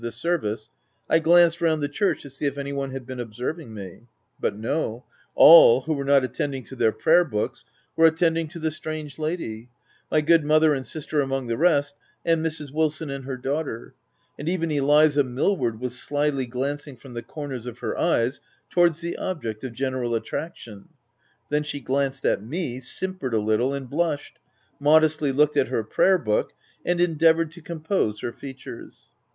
21 the service, I glanced round the church to see if any one had been observing me ;— but no, — all, who were not attending to their prayer books, were attending to the strange lady, — my good mother and sister among the rest, and Mrs. Wilson and her daughter ; and even Eliza Millward was slyly glancing from the corners of her eyes towards the ob ject of general attraction. Then, she glanced at me, simpered a little, and blushed, — mo destly looked at her prayer book, and endea voured to compose her features.